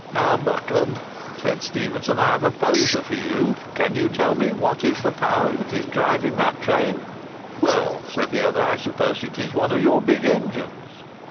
"Now, Buckland," said Stephenson, "I have a poser for you. Can you tell me what is the power that is driving that train?" "Well," said the other, "I suppose it is one of your big engines."